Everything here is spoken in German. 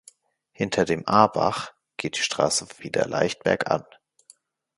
Hinter dem Aabach geht die Strasse wieder leicht bergan.